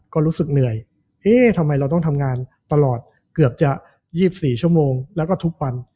ก็รู้สึกเหนื่อยเอ๊ะทำไมเราต้องทำงานตลอดเกือบจะ๒๔ชั่วโมงแล้วก็ทุกวัน